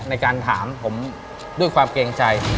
ในการถามผมด้วยความเกรงใจ